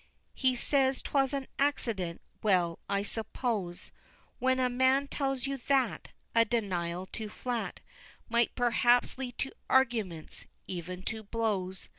He says 'twas an accident. Well, I suppose, When a man tells you that, A denial too flat Might perhaps lead to arguments, even to blows.